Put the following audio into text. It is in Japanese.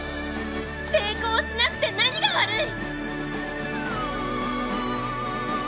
成功しなくて何が悪い！